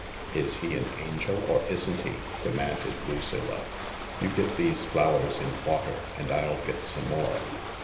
" Is he an angel, or isn't he ?" demanded Lucilla. " You get these flowers in water and I'll get some more.